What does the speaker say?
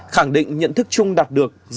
khẳng định nhận thức chung đạt được